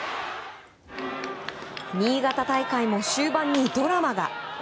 新潟大会も終盤にドラマが。